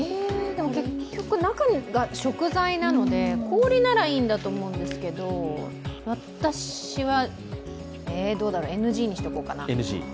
結局中は食材なので氷ならいいと思うんですけど、私はＮＧにしておこうかな。